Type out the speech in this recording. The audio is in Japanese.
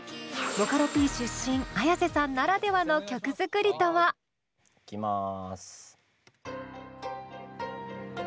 ボカロＰ出身Ａｙａｓｅさんならではの曲作りとは？いきます。